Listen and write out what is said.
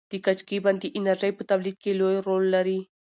د کجکي بند د انرژۍ په تولید کې لوی رول لري.